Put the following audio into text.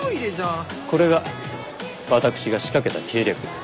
これが私が仕掛けた計略。